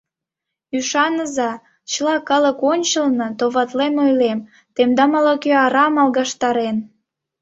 — Ӱшаныза, чыла калык ончылно товатлен ойлем: тендам ала-кӧ арам алгаштарен.